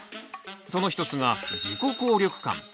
その一つが自己効力感。